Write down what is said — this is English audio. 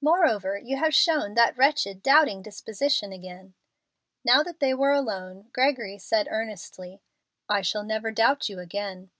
Moreover, you have shown that wretched doubting disposition again." Now that they were alone, Gregory said, earnestly, "I shall never doubt you again."